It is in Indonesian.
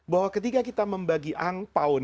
bahwa ketika kita membagi angpao